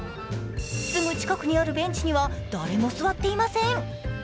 すぐ近くにあるベンチには誰も座っていません。